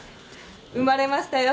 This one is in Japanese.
生まれましたよ。